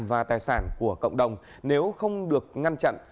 và tài sản của cộng đồng nếu không được ngăn chặn